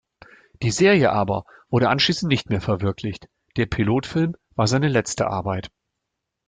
Die Serie aber wurde anschließend nicht mehr verwirklicht, der Pilotfilm war seine letzte Arbeit.